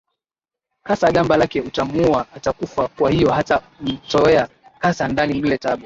kasa gamba lake utamuua atakufa kwa hiyo hata umtoe kasa ndani mle tabu